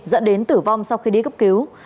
dẫn đến tử vong sau khi đi cấp cứu